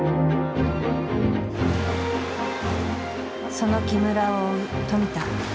その木村を追う富田。